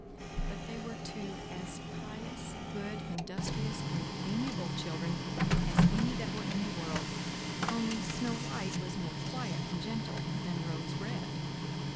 But they were two as pious, good, industrious, and amiable children as any that were in the world, only Snow White was more quiet and gentle than Rose Red.